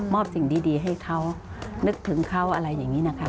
อบสิ่งดีให้เขานึกถึงเขาอะไรอย่างนี้นะคะ